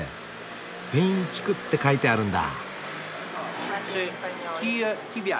「スペイン地区」って書いてあるんだ。